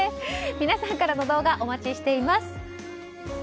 皆さんからの動画お待ちしています。